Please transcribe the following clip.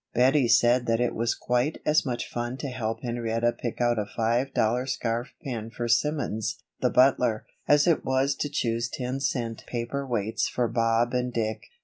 Bettie said that it was quite as much fun to help Henrietta pick out a five dollar scarf pin for Simmons, the butler, as it was to choose ten cent paper weights for Bob and Dick.